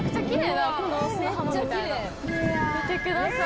見てください